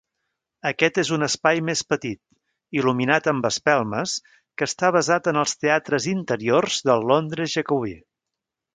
Aquest és un espai més petit, il·luminat amb espelmes, que està basat en els teatres interiors del Londres jacobí.